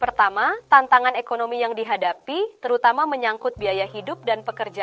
pertama tantangan ekonomi yang dihadapi terutama menyangkut biaya hidup dan pekerjaan